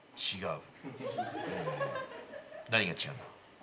うん何が違うんだ？